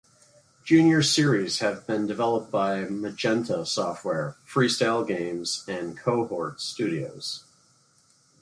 Junior series have been developed by Magenta Software, FreeStyleGames, and Cohort Studios.